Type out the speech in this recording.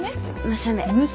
娘。